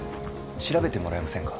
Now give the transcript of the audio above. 調べてもらえませんか？